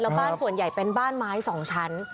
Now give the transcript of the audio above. แล้วบ้านส่วนใหญ่เป็นบ้านไม้๒ชั้น